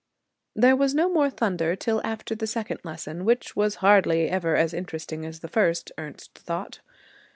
There was no more thunder till after the second lesson, which was hardly ever as interesting as the first, Ernest thought.